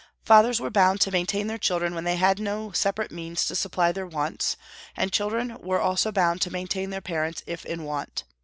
Fathers were bound to maintain their children when they had no separate means to supply their wants, and children were also bound to maintain their parents if in want.